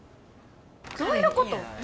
どういうこと？